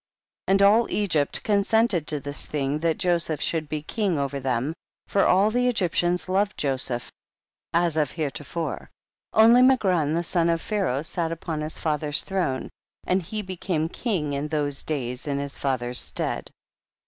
3. And all Eg}'pt consented to this thing that Joseph should be king over them, for all the Egyptians loved Joseph as of heretofore, only Magron the son of Pharaoh sat upon his father's throne, and he became king in those days in his father's stead.